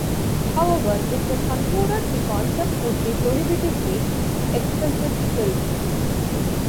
However, it was concluded the concept would be prohibitively expensive to film.